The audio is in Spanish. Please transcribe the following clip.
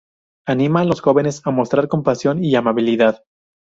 Anima a los jóvenes a mostrar compasión y amabilidad.